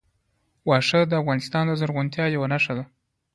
اوښ د افغانستان د زرغونتیا یوه نښه ده.